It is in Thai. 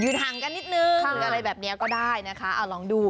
ห่างกันนิดนึงหรืออะไรแบบนี้ก็ได้นะคะเอาลองดู